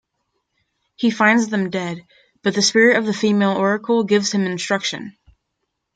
He finds them dead, but the spirit of the female Oracle gives him instruction.